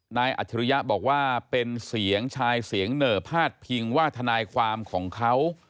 อัจฉริยะบอกว่าเป็นเสียงชายเสียงเหน่อพาดพิงว่าทนายความของเขา